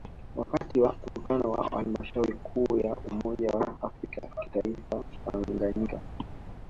Wakati wa Mkutano wa Halmashauri Kuu ya umoja wa afrika kitaifa Tanganyika